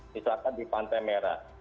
misalkan di pantai merah